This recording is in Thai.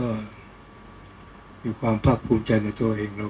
ก็ต้องทำอย่างที่บอกว่าช่องคุณวิชากำลังทำอยู่นั่นนะครับ